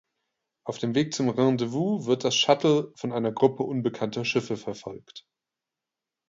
Auf dem Weg zum Rendezvous wird das Shuttle von einer Gruppe unbekannter Schiffe verfolgt.